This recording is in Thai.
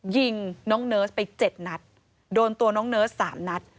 ยิงน้องเนิร์สไป๗นัดโดนตัวน้องเนิร์ส๓นัด